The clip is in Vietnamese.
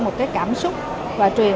một cái cảm xúc và truyền